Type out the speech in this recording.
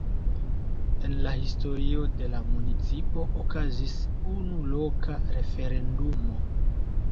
En la historio de la municipo okazis unu loka referendumo.